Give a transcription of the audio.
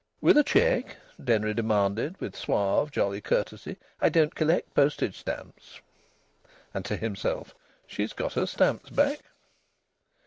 "With a cheque?" Denry demanded, with suave, jolly courtesy. "I don't collect postage stamps." (And to himself: "She's got her stamps back.")